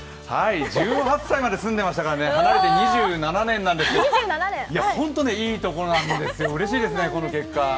１８歳まで住んでましたからね、離れて２７年なんですけど、いや、ほんといいところなんですよ、うれしいですね、この結果。